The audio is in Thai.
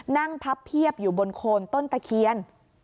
พับเพียบอยู่บนโคนต้นตะเคียน